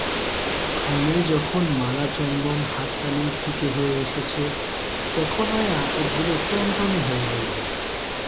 ক্রমে যখন মালাচন্দন হাততালি ফিকে হয়ে এসেছে তখনো এ আপদগুলো টনটনে হয়ে রইল।